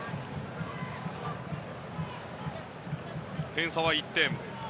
点差は１点。